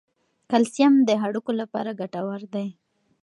کلسیم د هډوکو لپاره ګټور دی.